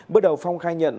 bước đầu phong khai nhận